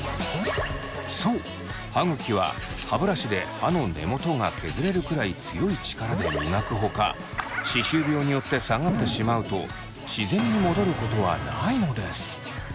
そう歯ぐきは歯ブラシで歯の根元が削れるくらい強い力で磨くほか歯周病によって下がってしまうと自然に戻ることはないのです。